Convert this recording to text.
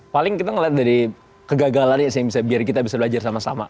paling kita ngelihat dari kegagalannya sih biar kita bisa belajar sama sama